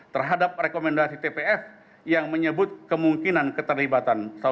terhadap rekomendasi tpf yang menyebut kemungkinan keterlibatan